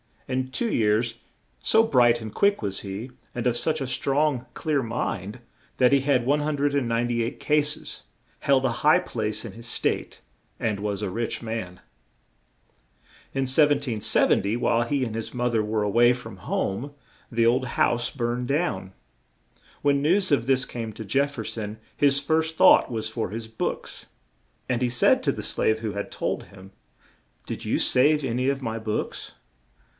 In two years, so bright and quick was he, and of such a strong, clear mind, that he had 198 cas es, held a high place in his State, and was a rich man. In 1770, while he and his moth er were a way from home, the old house burned down. When news of this came to Jef fer son, his first thought was for his books, and he said to the slave who had told him: "Did you save an y of my books?"